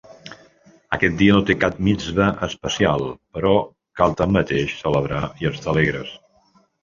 Aquest dia no té cap mitsvà especial, però cal tanmateix celebrar i estar alegres.